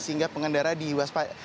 sehingga pengendara diwaspada